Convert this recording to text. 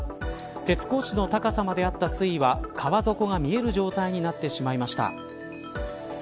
鉄格子の高さまであった水位は川底が見える状態までになってしまいました。